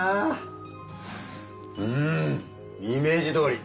うんイメージどおり！